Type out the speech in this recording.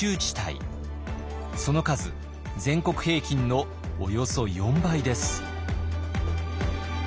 その数全国平均のおよそ４倍です。